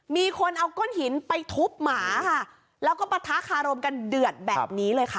มีคนเอาก้นหินไปทุบหมาค่ะแล้วก็ปะทะคารมกันเดือดแบบนี้เลยค่ะ